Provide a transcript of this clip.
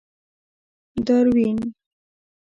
داروېن.